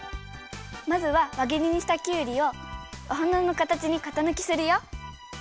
まずはわぎりにしたきゅうりをおはなのかたちにかたぬきするよ！